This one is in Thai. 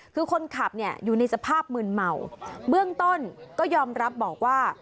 คือคนขับเนี่ยอยู่ในสภาพมืนเมาเบื้องต้นก็ยอมรับบอกว่า